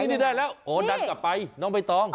นี่นี่ได้แล้วโหดัดกลับไปน้องไปต้อง